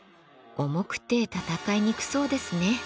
重くて戦いにくそうですね。